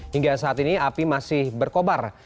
hingga saat ini api masih berkobar